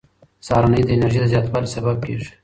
سهارنۍ د انرژۍ د زیاتوالي سبب کېږي.